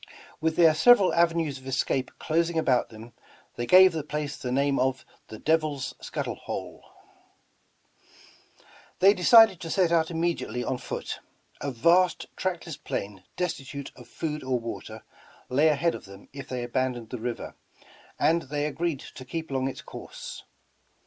With their several avenues of escape closing about them, they gave the place the name of the ''Devil's Scuttle Hole.'* Thej^ decided to set out immediately on foot. A vast tractless plain destitute of food or water, la}^ ahead of them if they abandoned the river, and they agreed to keep along its course.